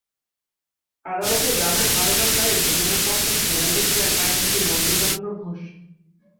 আদালতে জামিন আবেদনকারী দুজনের পক্ষে শুনানিতে ছিলেন আইনজীবী মন্টু চন্দ্র ঘোষ।